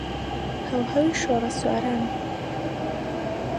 هەوهەوی شۆڕەسواران